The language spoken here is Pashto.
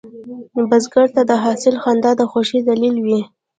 بزګر ته د حاصل خندا د خوښې دلیل وي